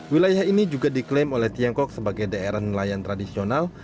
wilayah ini juga diklaim oleh tiongkok sebagai daerah nelayan tradisional